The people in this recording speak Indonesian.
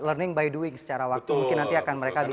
learning by doing secara waktu mungkin nanti akan mereka bisa